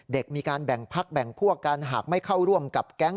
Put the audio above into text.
มีการแบ่งพักแบ่งพวกกันหากไม่เข้าร่วมกับแก๊ง